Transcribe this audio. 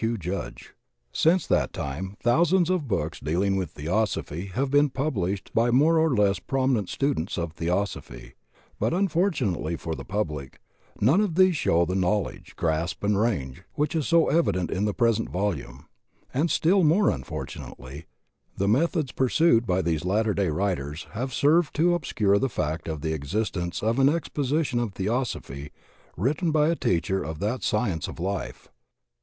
Q. Judge. Since that time thousands of books dealing with Theosophy have been published by more or less prominent students of Theosophy, but unfortunately for the public, none of these show the knowledge, grasp and range which is so evident in the present volume, — and still more unfortunately, the metiiods pursued by tiiese latter day writers have served to obscure the fact of the existence of an ex position of Theosophy written by a Teacher of that Science of Life.